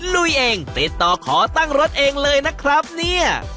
ลุยเองติดต่อขอตั้งรถเองเลยนะครับเนี่ย